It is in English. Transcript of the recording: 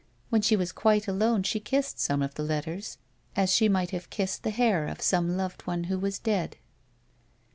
When she was quite alone she kissed some of the letters as she might have kissed the hair of some loved one who was dead.